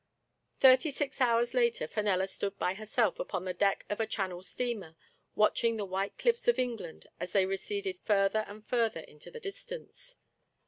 Thirty six hours later Fenella stood by herself upon the deck of a Channel steamer, watching the white cliffs of England as they receded further and further into the distance.